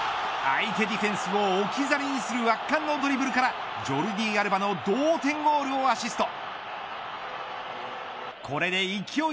相手ディフェンスを置き去りにする圧巻のドリブルからジョルディ・アルバの同点ゴールをアシスト。